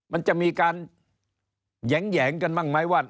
มันจะมีการแหยงกันบ้างไหมว่า